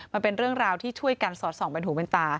มันเป็นเรื่องราวที่ช่วยกันสอดส่องเป็นหูเป็นตา